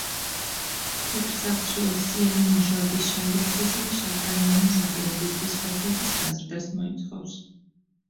თეთრ სახლში ოცწლიანი მუშაობის შემდეგ სესილი შავკანიანი მსახურებისთვის ხელფასის გაზრდას მოითხოვს.